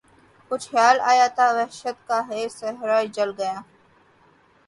کچھ خیال آیا تھا وحشت کا کہ صحرا جل گیا